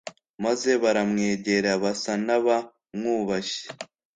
Maze baramwegera basa n'abamwubashye